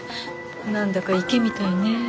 何だか池みたいね。